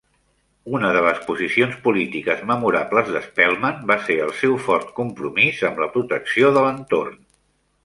Una de les posicions polítiques memorables de Spellman va ser el seu fort compromís amb la protecció de l'entorn.